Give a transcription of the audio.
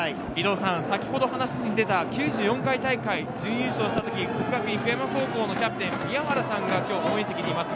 先ほど話に出た９４回大会準優勝した時、國學院久我山高校のキャプテン・宮原さんが応援席にいます。